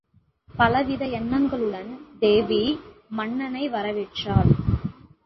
பலவித எண்ணங்களுடன் தேவி மன்னனை வரவேற்றாள்.